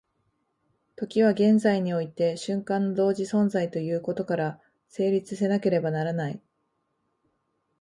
時は現在において瞬間の同時存在ということから成立せなければならない。